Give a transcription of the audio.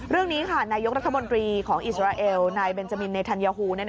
เรื่องนี้ค่ะนายกรัฐมนตรีของอิสราเอลนายเบนจามินในธัญฮู